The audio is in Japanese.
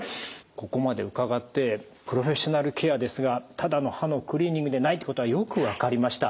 ここまで伺ってプロフェッショナルケアですがただの歯のクリーニングでないってことはよく分かりました。